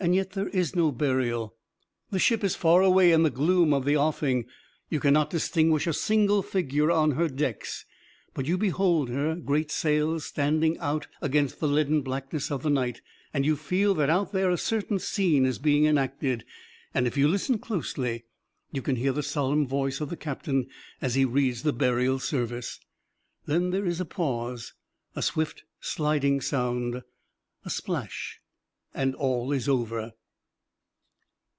Yet there is no burial. The ship is far away in the gloom of the offing; you can not distinguish a single figure on her decks; but you behold her great sails standing out against the leaden blackness of the night and you feel that out there a certain scene is being enacted. And if you listen closely you can hear the solemn voice of the captain as he reads the burial service. Then there is a pause a swift, sliding sound a splash, and all is over.